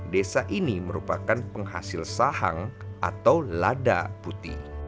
desa ini merupakan penghasil sahang atau lada putih